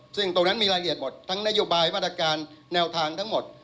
ซึ่งตรงนั้นมีรายละเอียดหมดทั้งนโยบายมาตรการแนวทางทั้งหมด